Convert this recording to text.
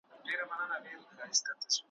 چا ته به یې نه ګټه نه تاوان ورسیږي ,